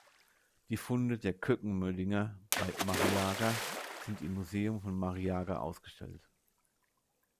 Die Funde der Køkkenmøddinger bei Mariager sind im Museum von Mariager ausgestellt.